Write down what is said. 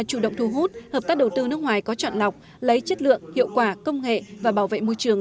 chủ động thu hút hợp tác đầu tư nước ngoài có chọn lọc lấy chất lượng hiệu quả công nghệ và bảo vệ môi trường